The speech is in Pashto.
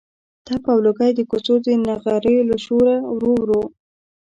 تپ او لوګی د کوڅو د نغریو له شوره ورو ورو.